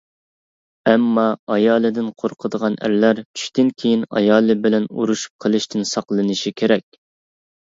ئەمما ئايالىدىن قورقىدىغان ئەرلەر چۈشتىن كېيىن ئايالى بىلەن ئۇرۇشۇپ قېلىشتىن ساقلىنىشى كېرەك.